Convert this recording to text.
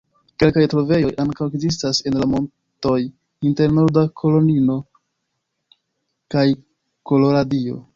Kelkaj trovejoj ankaŭ ekzistas en la montoj inter Norda Karolino kaj Koloradio.